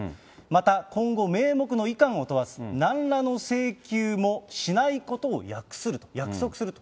また今後、名目のいかんを問わず、なんらの請求もしないことを約すると。